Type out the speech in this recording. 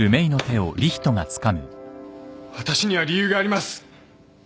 わたしには理由があります。